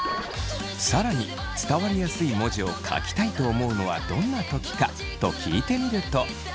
更に伝わりやすい文字を書きたいと思うのはどんな時か？と聞いてみると。